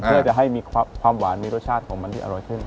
เพื่อจะให้มีความหวานมีรสชาติของมันที่อร่อยขึ้น